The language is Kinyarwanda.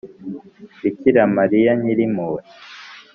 bikira mariya ny irimpuhwe